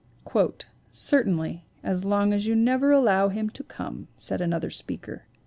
*" 'Certainly, as long as you never allow him to come/ said another speaker."